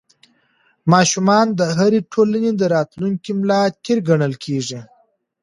ماشومان د هرې ټولنې د راتلونکي ملا تېر ګڼل کېږي.